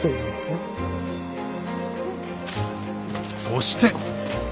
そして。